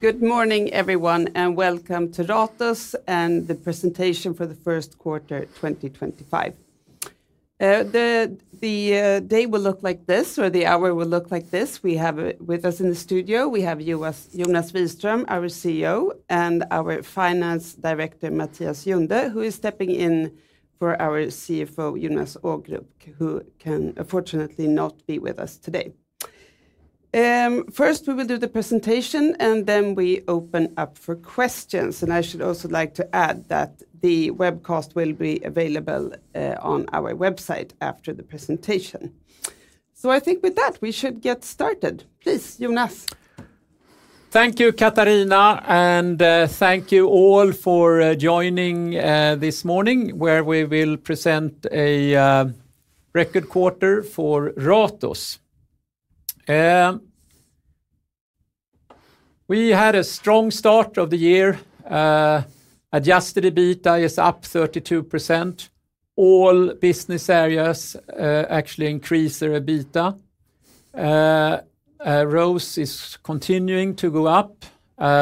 Good morning, everyone, and welcome to Ratos and the presentation for the first quarter 2025. The day will look like this, or the hour will look like this. We have with us in the studio, we have Jonas Wiström, our CEO, and our Finance Director, Mattias Junde, who is stepping in for our CFO, Jonas Ågrup, who can unfortunately not be with us today. First, we will do the presentation, and then we open up for questions. I should also like to add that the webcast will be available on our website after the presentation. I think with that, we should get started. Please, Jonas. Thank you, Katarina, and thank you all for joining this morning, where we will present a record quarter for Ratos. We had a strong start of the year. Adjusted EBITDA is up 32%. All business areas actually increased their EBITDA. ROCE is continuing to go up.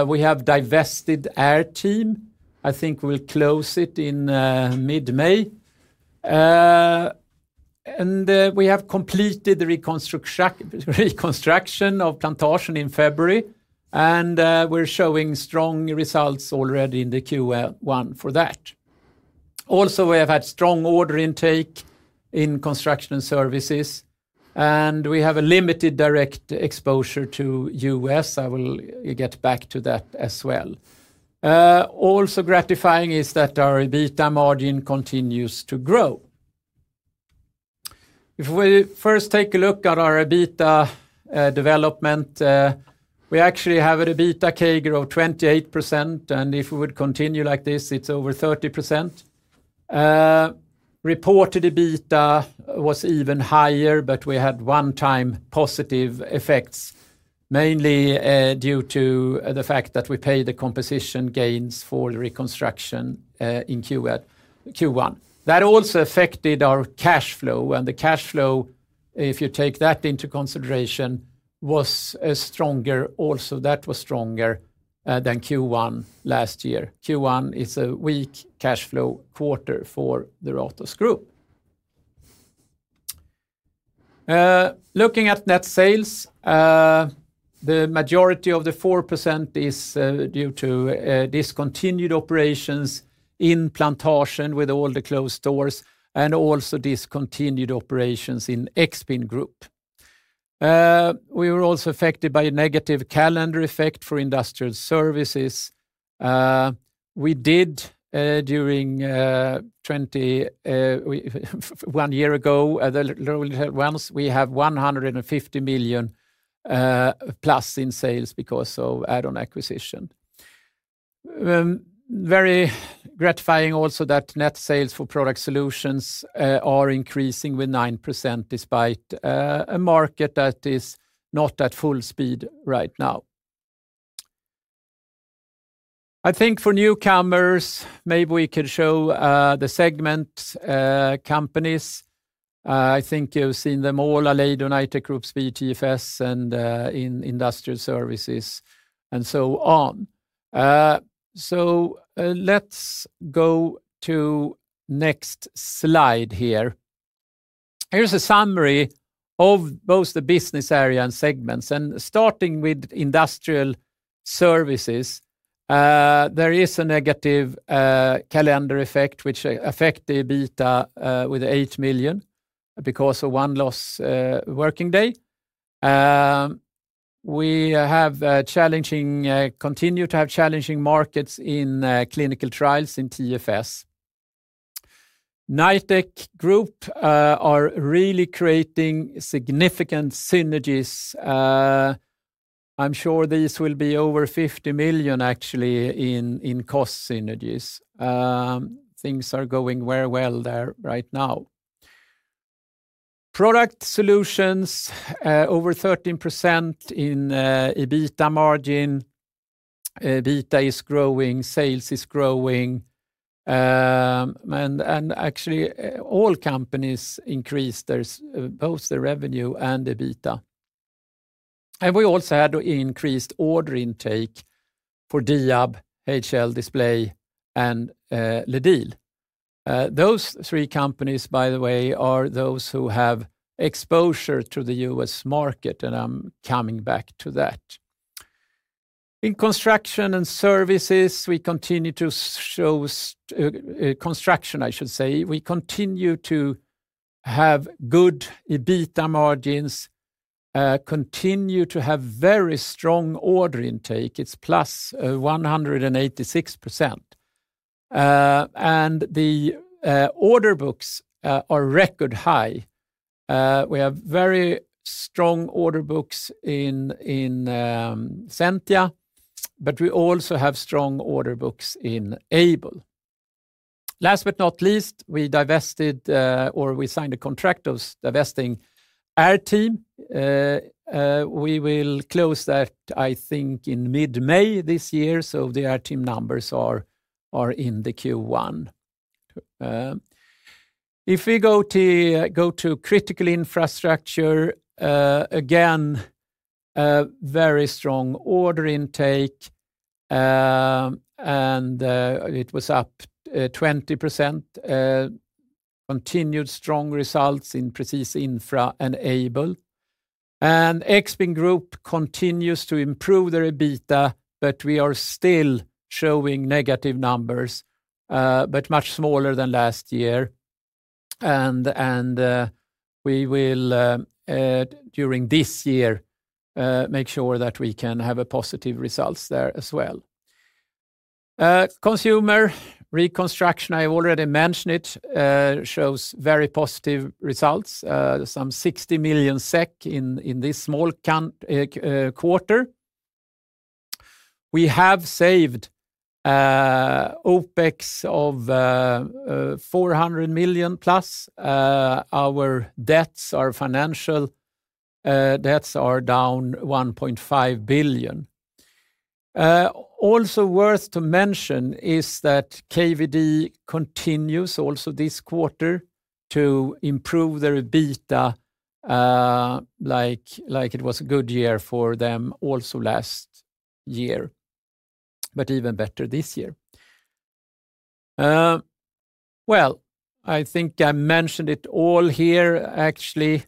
We have divested airteam. I think we will close it in mid-May. We have completed the reconstruction of Plantasjen in February, and we're showing strong results already in the Q1 for that. Also, we have had strong order intake in construction and services, and we have a limited direct exposure to US. I will get back to that as well. Also gratifying is that our EBITDA margin continues to grow. If we first take a look at our EBITDA development, we actually have an EBITDA CAGR growth of 28%, and if we would continue like this, it's over 30%. Reported EBITDA was even higher, but we had one-time positive effects, mainly due to the fact that we paid the composition gains for the reconstruction in Q1. That also affected our cash flow, and the cash flow, if you take that into consideration, was stronger also. That was stronger than Q1 last year. Q1 is a weak cash flow quarter for the Ratos Group. Looking at net sales, the majority of the 4% is due to discontinued operations in Plantasjen with all the closed stores and also discontinued operations in Expin Group. We were also affected by a negative calendar effect for industrial services. We did, during one year ago, at the lowest once, we have 150 million plus in sales because of add-on acquisition. Very gratifying also that net sales for product solutions are increasing with 9% despite a market that is not at full speed right now. I think for newcomers, maybe we could show the segment companies. I think you've seen them all: Aleido, Knightec Group, Speed, TFS and industrial services, and so on. Let's go to the next slide here. Here's a summary of both the business area and segments. Starting with industrial services, there is a negative calendar effect, which affected EBITDA with 8 million because of one lost working day. We have challenging, continue to have challenging markets in clinical trials in TFS. Knightec Group are really creating significant synergies. I'm sure these will be over 50 million, actually, in cost synergies. Things are going very well there right now. Product solutions, over 13% in EBITDA margin. EBITDA is growing, sales is growing, and actually all companies increased both their revenue and EBITDA. We also had an increased order intake for Diab, HL Display, and LEDil. Those three companies, by the way, are those who have exposure to the U.S. market, and I'm coming back to that. In construction and services, we continue to show construction, I should say. We continue to have good EBITDA margins, continue to have very strong order intake. It's plus 186%. The order books are record high. We have very strong order books in Sentia, but we also have strong order books in Aibel. Last but not least, we divested, or we signed a contract of divesting airteam. We will close that, I think, in mid-May this year. The airteam numbers are in the Q1. If we go to critical infrastructure, again, very strong order intake, and it was up 20%. Continued strong results in Presis Infra and Aibel. Expin Group continues to improve their EBITDA, but we are still showing negative numbers, but much smaller than last year. We will, during this year, make sure that we can have positive results there as well. Consumer reconstruction, I already mentioned it, shows very positive results, some 60 million SEK in this small quarter. We have saved OPEX of 400 million plus. Our debts, our financial debts, are down 1.5 billion. Also worth to mention is that KVD continues also this quarter to improve their EBITDA, like it was a good year for them also last year, but even better this year. I think I mentioned it all here, actually.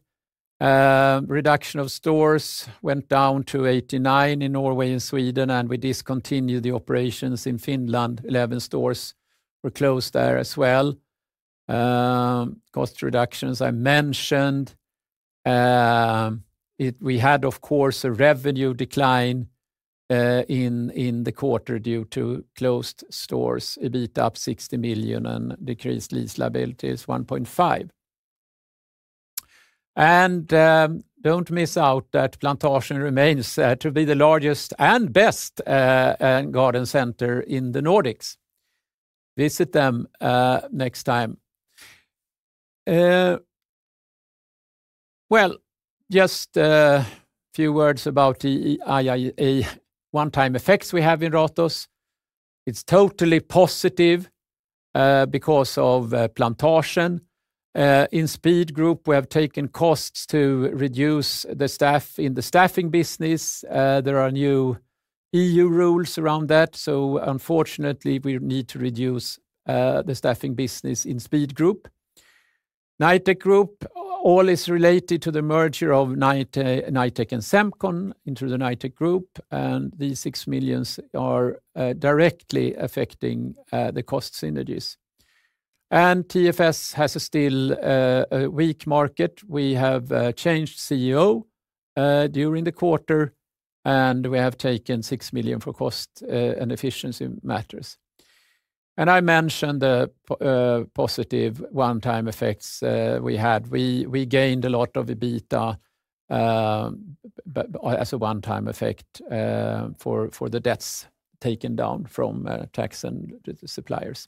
Reduction of stores went down to 89 in Norway and Sweden, and we discontinued the operations in Finland. Eleven stores were closed there as well. Cost reductions I mentioned. We had, of course, a revenue decline in the quarter due to closed stores. EBITDA up 60 million and decreased lease liabilities 1.5 million. And do not miss out that Plantasjen remains to be the largest and best garden center in the Nordics. Visit them next time. Just a few words about the one-time effects we have in Ratos. It is totally positive because of Plantasjen. In Speed Group, we have taken costs to reduce the staff in the staffing business. There are new EU rules around that. Unfortunately, we need to reduce the staffing business in Speed Group. Knightec Group, all is related to the merger of Knightec and Semcon into the Knightec Group, and these 6 million are directly affecting the cost synergies. TFS has still a weak market. We have changed CEO during the quarter, and we have taken 6 million for cost and efficiency matters. I mentioned the positive one-time effects we had. We gained a lot of EBITDA as a one-time effect for the debts taken down from tax and suppliers.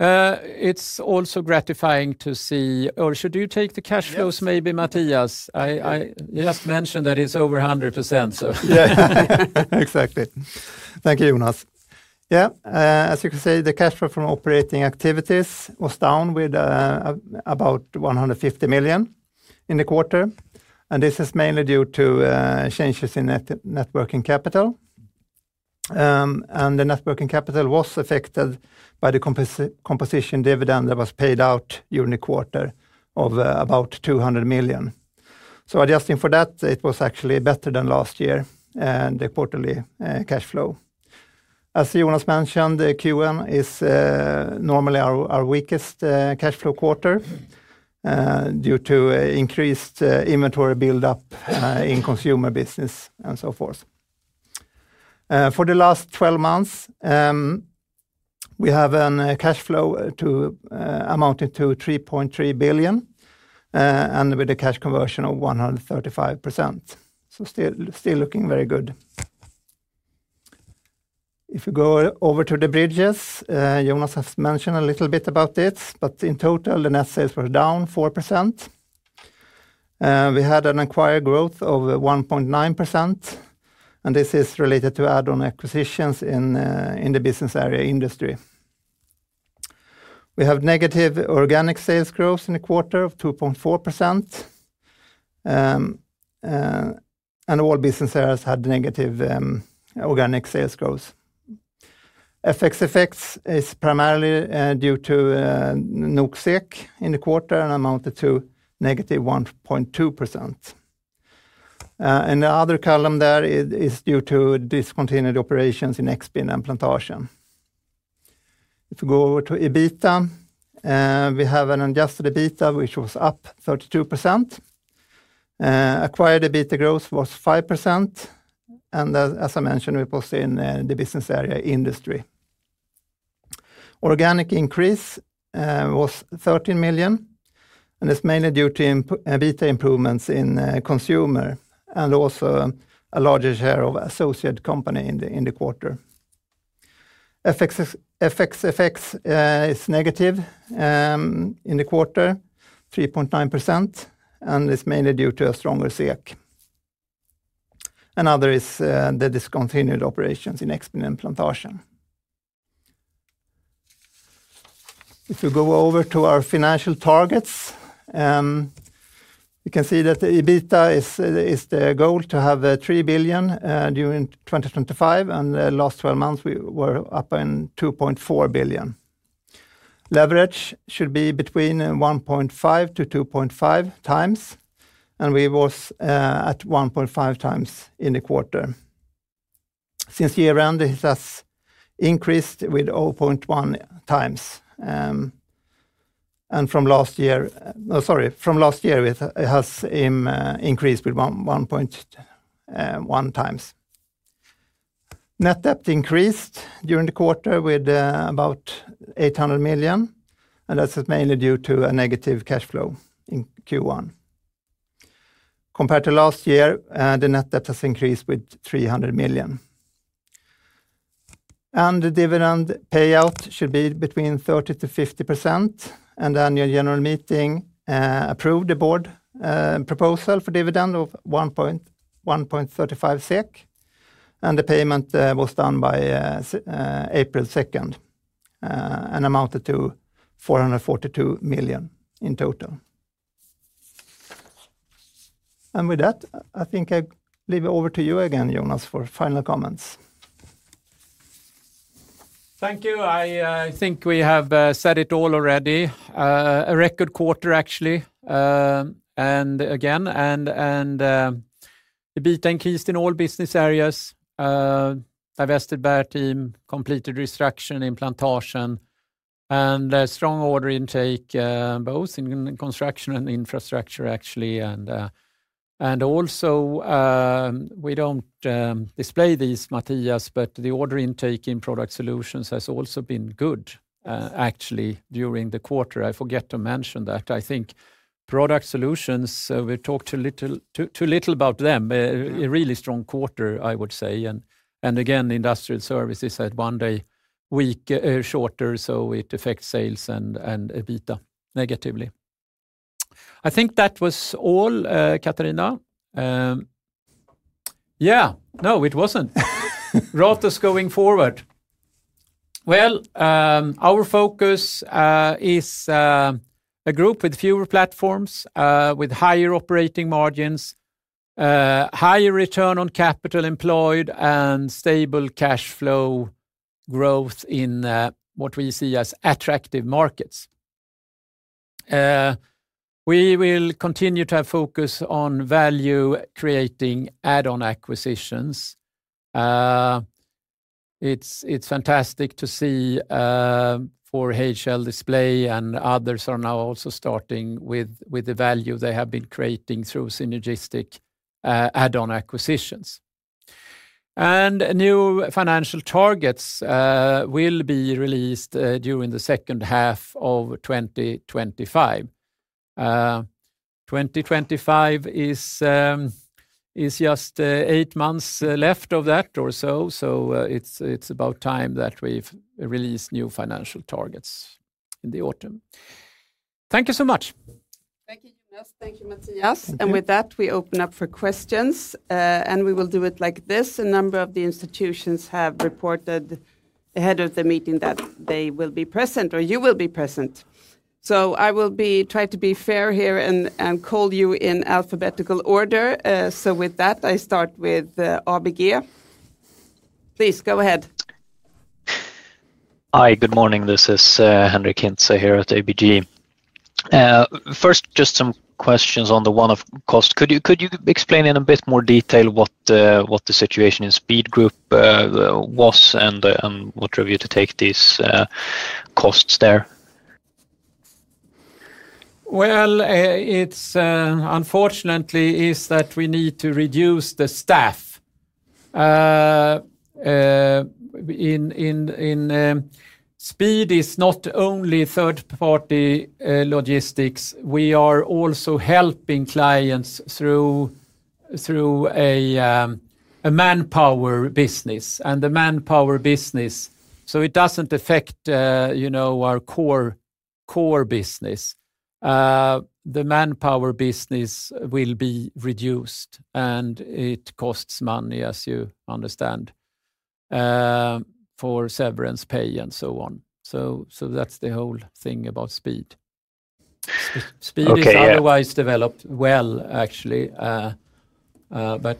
It's also gratifying to see, or should you take the cash flows maybe, Mattias? I just mentioned that it's over 100%. Exactly. Thank you, Jonas. Yeah, as you can see, the cash flow from operating activities was down with about 150 million in the quarter. This is mainly due to changes in net working capital. The net working capital was affected by the composition dividend that was paid out during the quarter of about 200 million. Adjusting for that, it was actually better than last year, and the quarterly cash flow. As Jonas mentioned, Q1 is normally our weakest cash flow quarter due to increased inventory buildup in consumer business and so forth. For the last 12 months, we have a cash flow amounting to 3.3 billion and with a cash conversion of 135%. Still looking very good. If you go over to the bridges, Jonas has mentioned a little bit about it, but in total, the net sales were down 4%. We had an acquired growth of 1.9%, and this is related to add-on acquisitions in the business area industry. We have negative organic sales growth in the quarter of 2.4%. All business areas had negative organic sales growth. FX effects is primarily due to NOK/SEK in the quarter and amounted to negative 1.2%. The other column there is due to discontinued operations in Expin Group and Plantasjen. If we go over to EBITDA, we have an adjusted EBITDA, which was up 32%. Acquired EBITDA growth was 5%. As I mentioned, we posted in the business area industry. Organic increase was 13 million, and it's mainly due to EBITDA improvements in consumer and also a larger share of associate company in the quarter. FX effects is negative in the quarter, 3.9%, and it's mainly due to a stronger SEK. Another is the discontinued operations in Expin Group and Plantasjen. If we go over to our financial targets, you can see that EBITDA is the goal to have 3 billion during 2025, and the last 12 months we were up in 2.4 billion. Leverage should be between 1.5-2.5 times, and we were at 1.5 times in the quarter. Since year-end, it has increased with 0.1 times. From last year, it has increased with 1.1 times. Net debt increased during the quarter with about 800 million, and that's mainly due to a negative cash flow in Q1. Compared to last year, the net debt has increased with 300 million. The dividend payout should be between 30%-50%, and the annual general meeting approved the board proposal for dividend of 1.35 SEK, and the payment was done by April 2nd and amounted to 442 million in total. With that, I think I leave it over to you again, Jonas, for final comments. Thank you. I think we have said it all already. A record quarter, actually. Again, EBITDA increased in all business areas. Divested airteam, completed restructuring in Plantasjen, and strong order intake, both in construction and infrastructure, actually. Also, we do not display these, Mattias, but the order intake in product solutions has also been good, actually, during the quarter. I forget to mention that. I think product solutions, we talked too little about them. A really strong quarter, I would say. Again, industrial services had one day week shorter, so it affects sales and EBITDA negatively. I think that was all, Katarina. No, it was not. Ratos going forward. Our focus is a group with fewer platforms, with higher operating margins, higher return on capital employed, and stable cash flow growth in what we see as attractive markets. We will continue to have focus on value creating add-on acquisitions. It's fantastic to see for HL Display and others are now also starting with the value they have been creating through synergistic add-on acquisitions. New financial targets will be released during the second half of 2025. 2025 is just eight months left of that or so, so it's about time that we've released new financial targets in the autumn. Thank you so much. Thank you, Jonas. Thank you, Mattias. With that, we open up for questions. We will do it like this. A number of the institutions have reported ahead of the meeting that they will be present, or you will be present. I will try to be fair here and call you in alphabetical order. With that, I start with ABG. Please go ahead. Hi, good morning. This is Henric Hintze here at ABG. First, just some questions on the one-off cost. Could you explain in a bit more detail what the situation in Speed Group was and what review to take these costs there? It is unfortunate that we need to reduce the staff. In Speed, it is not only third-party logistics. We are also helping clients through a manpower business and the manpower business. It does not affect our core business. The manpower business will be reduced, and it costs money, as you understand, for severance pay and so on. That is the whole thing about Speed. Speed is otherwise developed well, actually, but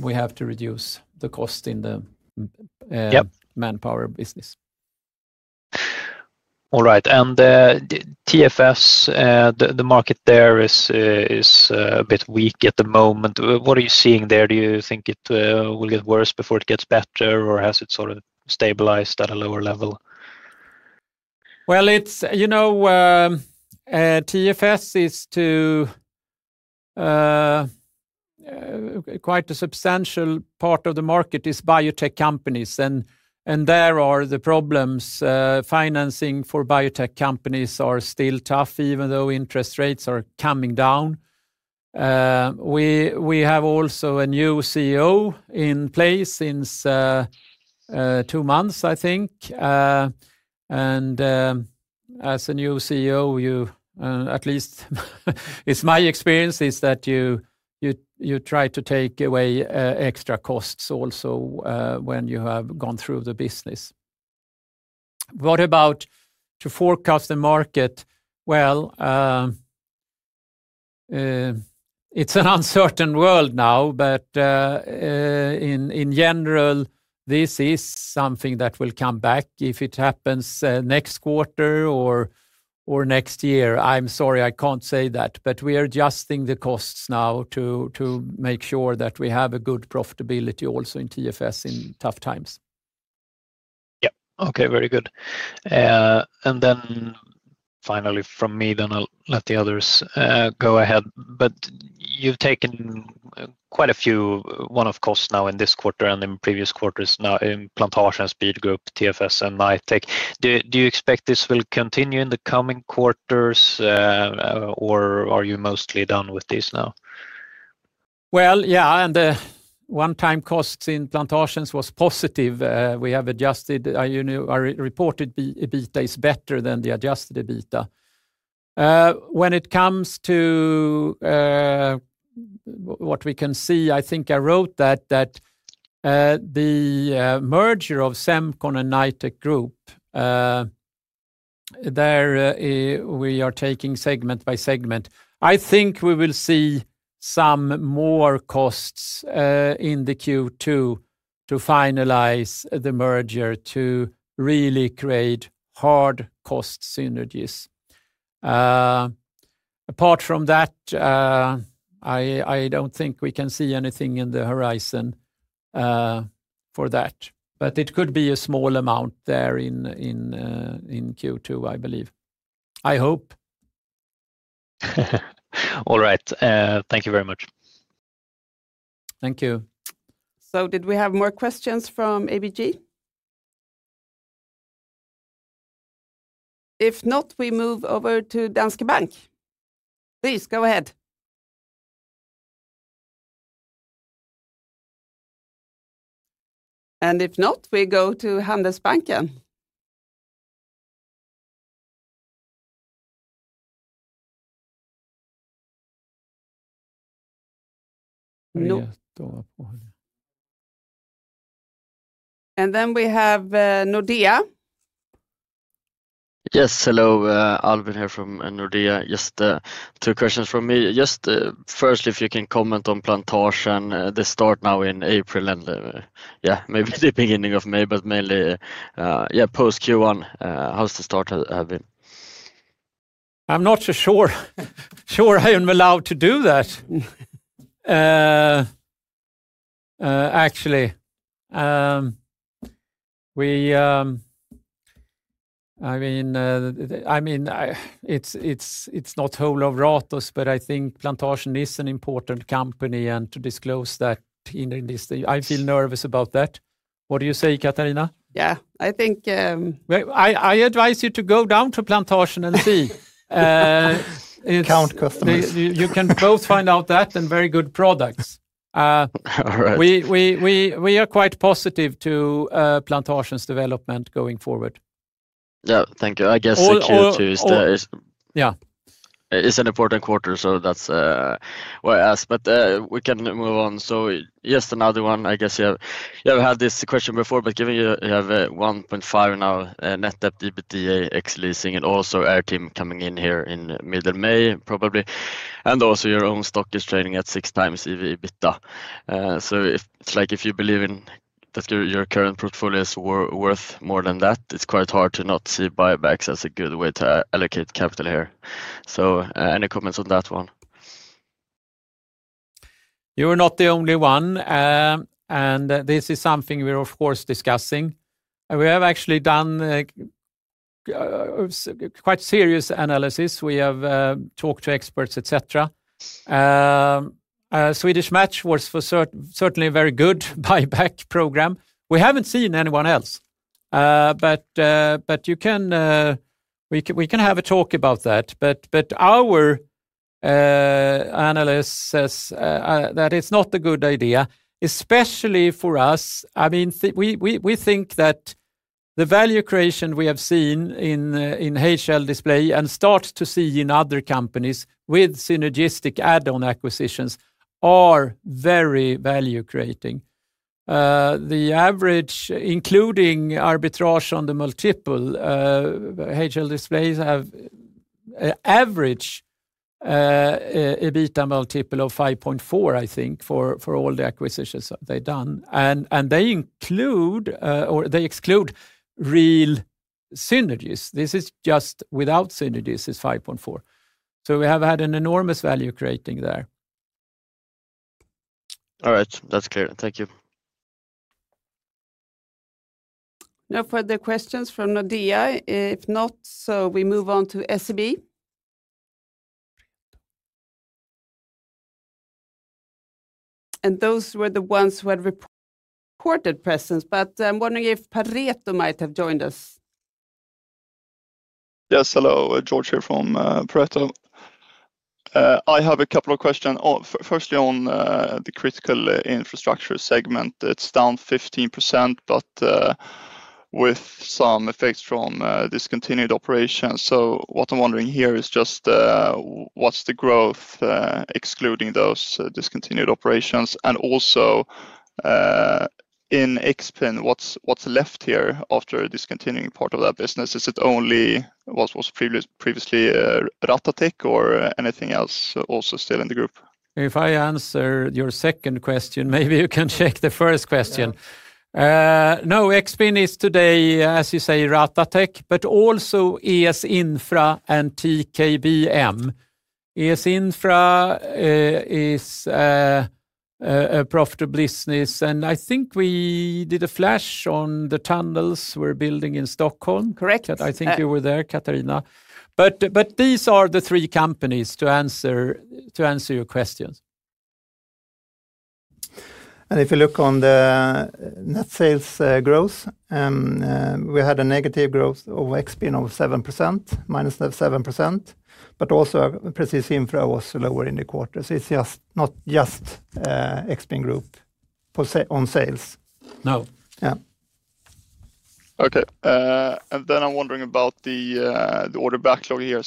we have to reduce the cost in the manpower business. All right. TFS, the market there is a bit weak at the moment. What are you seeing there? Do you think it will get worse before it gets better, or has it sort of stabilized at a lower level? You know, TFS is to quite a substantial part of the market biotech companies, and there are the problems. Financing for biotech companies is still tough, even though interest rates are coming down. We have also a new CEO in place since two months, I think. As a new CEO, at least, it's my experience that you try to take away extra costs also when you have gone through the business. What about to forecast the market? It is an uncertain world now, but in general, this is something that will come back if it happens next quarter or next year. I'm sorry, I can't say that, but we are adjusting the costs now to make sure that we have a good profitability also in TFS in tough times. Yeah. Okay, very good. Finally from me, then I'll let the others go ahead. You've taken quite a few one-off costs now in this quarter and in previous quarters now in Plantasjen, Speed Group, TFS, and Knightec. Do you expect this will continue in the coming quarters, or are you mostly done with this now? Yeah, and the one-time costs in Plantasjens was positive. We have adjusted our reported EBITDA is better than the adjusted EBITDA. When it comes to what we can see, I think I wrote that the merger of Semcon and Knightec Group, there we are taking segment by segment. I think we will see some more costs in the Q2 to finalize the merger to really create hard cost synergies. Apart from that, I do not think we can see anything in the horizon for that, but it could be a small amount there in Q2, I believe. I hope. All right. Thank you very much. Thank you. Did we have more questions from ABG? If not, we move over to Danske Bank. Please go ahead. If not, we go to Handelsbanken. Then we have Nordea. Yes, hello, Albin here from Nordea. Just two questions from me. Just firstly, if you can comment on Plantasjen, they start now in April and yeah, maybe the beginning of May, but mainly, yeah, post Q1, how's the start have been? I'm not so sure. Sure, I wouldn't be allowed to do that, actually. I mean, it's not whole of Ratos, but I think Plantasjen is an important company and to disclose that in this, I feel nervous about that. What do you say, Katarina? Yeah, I think. I advise you to go down to Plantasjen and see. Count customers. You can both find out that and very good products. All right. We are quite positive to Plantasjen's development going forward. Yeah, thank you. I guess Q2 is an important quarter, so that's why I asked, but we can move on. Just another one, I guess you have had this question before, but given you have 1.5 now net debt EBITDA ex-leasing and also R team coming in here in middle May probably, and also your own stock is trading at six times EBITDA. It's like if you believe in that your current portfolio is worth more than that, it's quite hard to not see buybacks as a good way to allocate capital here. Any comments on that one? You are not the only one, and this is something we're, of course, discussing. We have actually done quite serious analysis. We have talked to experts, etc. Swedish Match was certainly a very good buyback program. We haven't seen anyone else, but you can we can have a talk about that. Our analyst says that it's not a good idea, especially for us. I mean, we think that the value creation we have seen in HL Display and start to see in other companies with synergistic add-on acquisitions are very value creating. The average, including arbitrage on the multiple, HL Display has an average EBITDA multiple of 5.4, I think, for all the acquisitions they've done. They include or they exclude real synergies. This is just without synergies is 5.4. We have had an enormous value creating there. All right. That's clear. Thank you. No further questions from Nordea. If not, we move on to SEB. Those were the ones who had reported presence, but I'm wondering if Pareto might have joined us. Yes, hello, George here from Pareto. I have a couple of questions. Firstly, on the critical infrastructure segment, it's down 15%, but with some effects from discontinued operations. What I'm wondering here is just what's the growth excluding those discontinued operations? Also in Expin Group, what's left here after discontinuing part of that business? Is it only what was previously Ratatec or anything else also still in the group? If I answer your second question, maybe you can check the first question. No, Expin Group is today, as you say, Ratatec, but also ES Infra and TKBM. ES Infra is a profitable business. I think we did a flash on the tunnels we're building in Stockholm. Correct. I think you were there, Katarina. These are the three companies to answer your questions. If you look on the net sales growth, we had a negative growth of Expin Group of 7%, minus 7%, but also Presis Infra was lower in the quarter. It is not just Expin Group on sales. No. Yeah. Okay. I'm wondering about the order backlog here.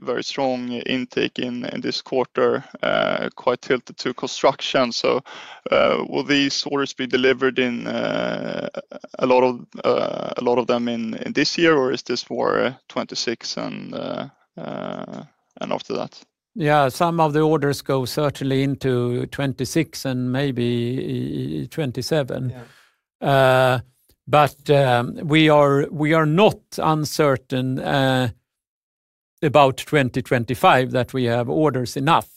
Very strong intake in this quarter, quite tilted to construction. Will these orders be delivered, a lot of them, in this year, or is this for 2026 and after that? Yeah, some of the orders go certainly into 2026 and maybe 2027. We are not uncertain about 2025 that we have orders enough.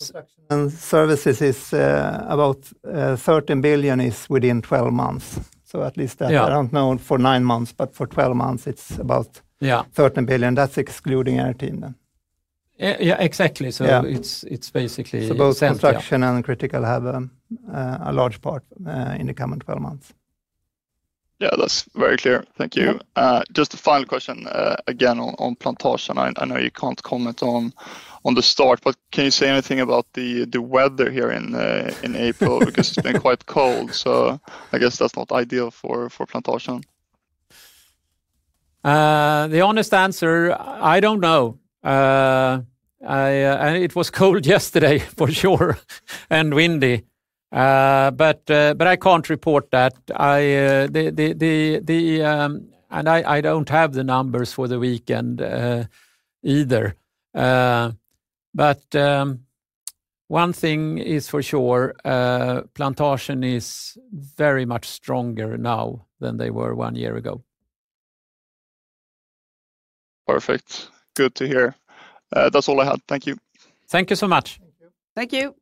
Construction services is about 13 billion is within 12 months. At least that I don't know for nine months, but for 12 months, it's about 13 billion. That's excluding airteam then. Yeah, exactly. It is basically. Both construction and critical have a large part in the coming 12 months. Yeah, that's very clear. Thank you. Just a final question again on Plantasjen. I know you can't comment on the start, but can you say anything about the weather here in April? Because it's been quite cold, so I guess that's not ideal for Plantasjen. The honest answer, I don't know. It was cold yesterday, for sure, and windy. I can't report that. I don't have the numbers for the weekend either. One thing is for sure, Plantasjen is very much stronger now than they were one year ago. Perfect. Good to hear. That's all I had. Thank you. Thank you so much. Thank you.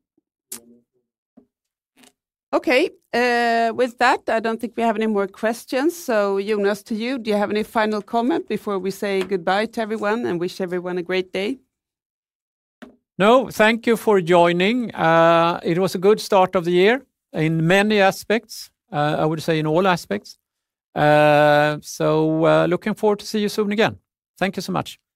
Okay. With that, I don't think we have any more questions. Jonas, to you, do you have any final comment before we say goodbye to everyone and wish everyone a great day? No, thank you for joining. It was a good start of the year in many aspects, I would say in all aspects. Looking forward to see you soon again. Thank you so much.